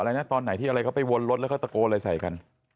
เอ่อใช่ยังไงนะเค้าบอกอะไรนะ